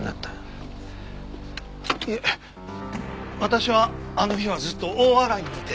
いえ私はあの日はずっと大洗にいて。